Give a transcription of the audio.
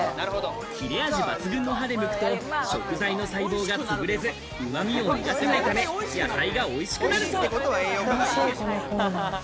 切れ味抜群の刃でむくと、食材の細胞が潰れず、旨味を逃がさないため、野菜が美味しくなる。